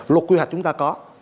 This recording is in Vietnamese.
luật quy hoạch chúng ta có